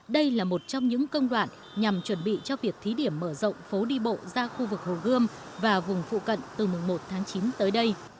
đây là một trong những công đoạn nhằm chuẩn bị cho việc thí điểm mở rộng phố đi bộ ra khu vực hồ gươm và vùng phụ cận từ mùng một tháng chín tới đây